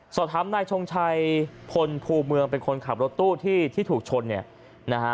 สอบถามนายชงชัยพลภูเมืองเป็นคนขับรถตู้ที่ที่ถูกชนเนี่ยนะฮะ